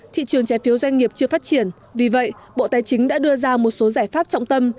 thị trường trái phiếu doanh nghiệp chưa phát triển vì vậy bộ tài chính đã đưa ra một số giải pháp trọng tâm